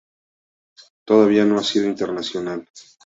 Todavía no ha sido internacional.